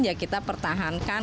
ya kita pertahankan